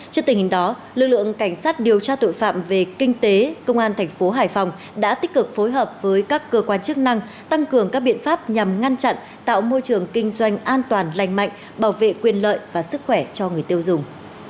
trước tình hình đó lực lượng cảnh sát điều tra tội phạm về kinh tế công an thành phố hải phòng đã tích cực phối hợp với các cơ quan chức năng tăng cường các biện pháp nhằm ngăn chặn tạo môi trường kinh doanh an toàn lành mạnh bảo vệ quyền lợi và sức khỏe cho người tiêu dùng